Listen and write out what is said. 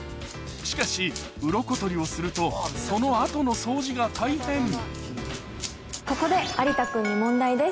しかしウロコ取りをするとその後の掃除が大変ここで有田君に問題です。